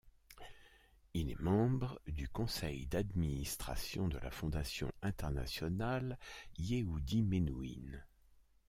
Il est membre du Conseil d'Administration de la Fondation Internationale Yehudi Menuhin.